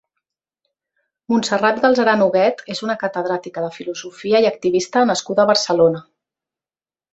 Montserrat Galcerán Huguet és una catedràtica de filosofia i activista nascuda a Barcelona.